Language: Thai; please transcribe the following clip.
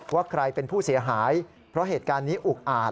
ว่าใครเป็นผู้เสียหายเพราะเหตุการณ์นี้อุกอาจ